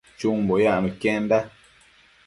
Chumbo yacno iquenda